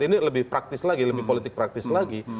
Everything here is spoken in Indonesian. ini lebih praktis lagi lebih politik praktis lagi